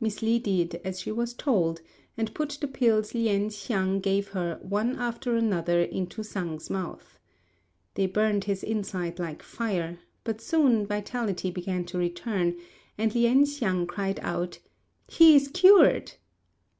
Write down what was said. Miss Li did as she was told and put the pills Lien hsiang gave her one after another into Sang's mouth. They burnt his inside like fire; but soon vitality began to return, and Lien hsiang cried out, "He is cured!"